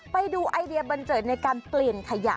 ไปดูไอเดียบันเจิดในการเปลี่ยนขยะ